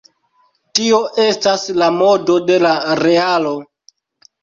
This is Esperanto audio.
Tio estas la modo de la realo.